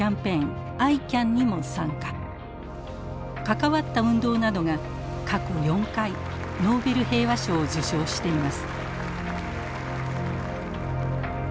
関わった運動などが過去４回ノーベル平和賞を受賞しています。